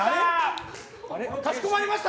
かしこまりました！